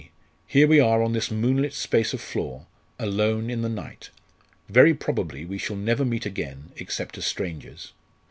here we are on this moonlit space of floor, alone, in the night. Very probably we shall never meet again, except as strangers.